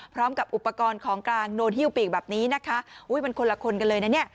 พร้อมกับอุปกรณ์ของกลางโน้นฮิ้วปีกแบบนี้นะคะอุ้ยมันคนละคนกันเลยนะเนี่ย